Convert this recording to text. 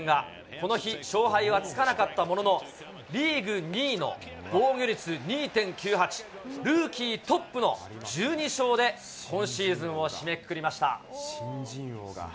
この日、勝敗はつかなかったものの、リーグ２位の防御率２．９８、ルーキートップの１２勝で、今シーズンを締めくくりました。